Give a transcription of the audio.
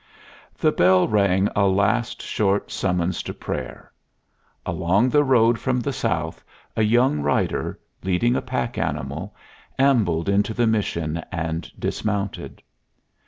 The bell rang a last short summons to prayer. Along the road from the south a young rider, leading a pack animal, ambled into the mission and dismounted.